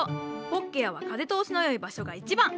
フォッケアは風通しの良い場所が一番。